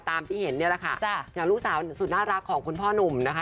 ที่เห็นเนี่ยแหละค่ะอย่างลูกสาวสุดน่ารักของคุณพ่อหนุ่มนะคะ